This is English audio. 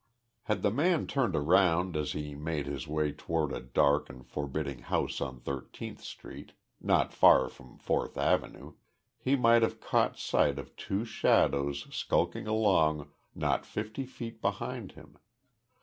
Had the man turned around as he made his way toward a dark and forbidding house on Thirteenth Street, not far from Fourth Avenue, he might have caught sight of two shadows skulking along not fifty feet behind him.